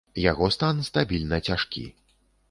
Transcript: Яго стан стабільна цяжкі.